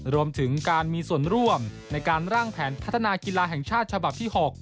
รวมถึงการมีส่วนร่วมในการร่างแผนพัฒนากีฬาแห่งชาติฉบับที่๖